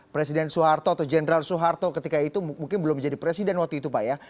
presiden soeharto atau jenderal soeharto ketika itu mungkin belum menjadi presiden waktu itu pak ya